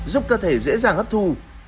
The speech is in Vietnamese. giúp cơ thể dễ dàng hấp thu